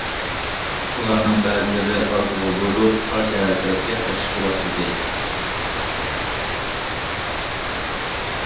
ئۇلارنىڭ بەزىلىرى ئارقىغا بۇرۇلۇپ قاراشەھەر تەرەپكە قېچىشقا باشلىدى.